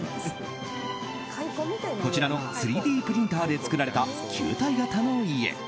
こちらの３Ｄプリンターで作られた、球体型の家。